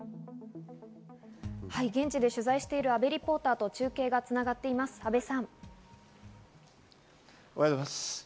現地で取材している阿部リポーターとおはようございます。